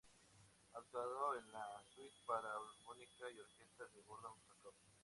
Ha actuado en la "Suite para armónica y orquesta" de Gordon Jacob.